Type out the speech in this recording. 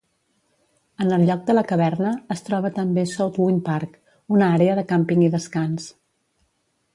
En el lloc de la caverna es troba també "Southwind Park", una àrea de càmping i descans.